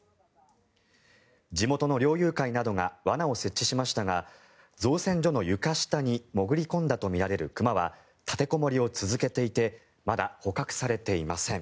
地元の猟友会などが罠を設置しましたが造船所の床下に潜り込んだとみられる熊は立てこもりを続けていてまだ捕獲されていません。